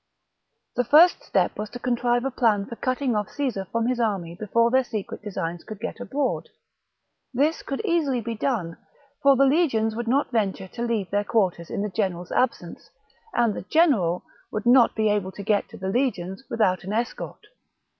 The first step was to contrive a plan for cutting off Caesar from his army before their secret designs could get abroad. This could be easily done ; for the legions would not venture to leave their quarters in the general's absence, and the general would not be able to get to the legions without an escort.